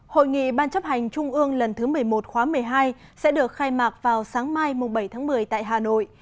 hội nghị ban chấp hành trung ương lần thứ một mươi một khóa một mươi hai sẽ được khai mạc vào sáng mai bảy tháng một mươi tại hà nội